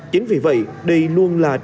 chính vì vậy đây luôn là địa bàn